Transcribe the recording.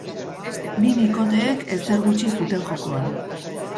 Bi bikoteek ezer gutxi zuten jokoan.